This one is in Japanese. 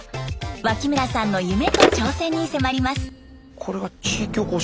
脇村さんの夢と挑戦に迫ります。